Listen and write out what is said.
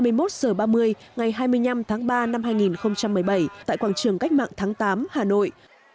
tốt sở ba mươi ngày hai mươi năm tháng ba năm hai nghìn một mươi bảy tại quảng trường cách mạng tháng tám hà nội